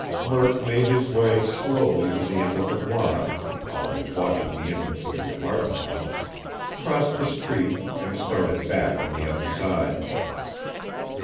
Murk made his way slowly to the end of the block, always watching the entrance of the apartment house, crossed the street, and started back on the other side.